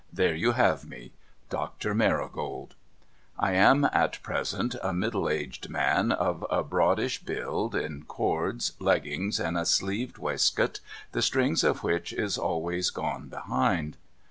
There you have me. Doctor Marigold. I am at present a middle aged man of a broadish build, in cords, leggings, and a sleeved waistcoat the strings of which is always gone behind.